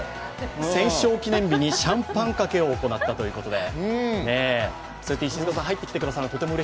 戦勝記念日にシャンパンかけを行ったということで。